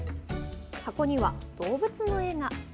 箱には、動物の絵が。